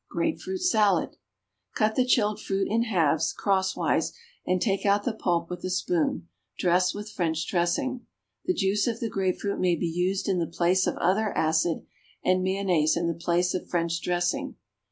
=Grapefruit Salad.= Cut the chilled fruit in halves, crosswise, and take out the pulp with a spoon; dress with French dressing. The juice of the grapefruit may be used in the place of other acid, and mayonnaise in the place of French dressing.